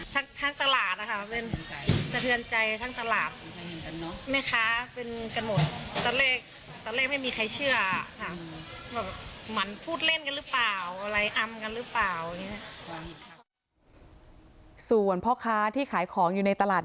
อย่างงี้นะทั้งตลาดค่ะสะเทือนใจทั้งตลาด